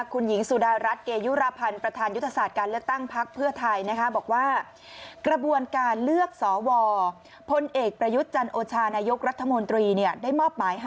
คุณหญิงสุดารัฐเกยุรพันธ์ประธานยุทธศาสตร์การเลือกตั้งพักเพื่อไทย